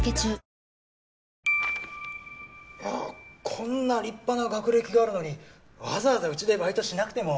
こんな立派な学歴があるのにわざわざうちでバイトしなくても。